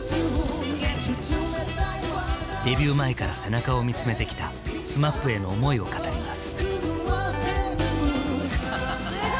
デビュー前から背中を見つめてきたＳＭＡＰへの思いを語ります。